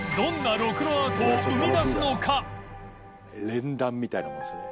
連弾みたいなものですね。）